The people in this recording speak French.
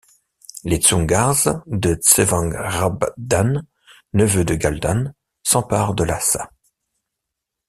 Les Dzoungars de Tsewang Rabdan, neveu de Galdan, s’emparent de Lhassa.